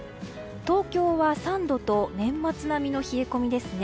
東京は３度と年末並みの冷え込みですね。